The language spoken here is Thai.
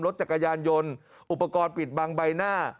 รถจักรยานยนต์อุปกรณ์ปิดบังใบหน้า